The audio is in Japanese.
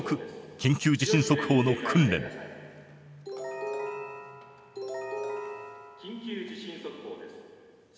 「緊急地震速報です。